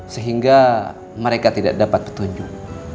sehingga mereka tidak dapat petunjuk